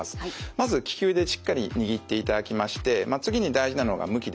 まず利き腕でしっかり握っていただきまして次に大事なのが向きです。